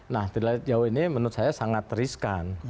nah tidak terlalu jauh ini menurut saya sangat riskan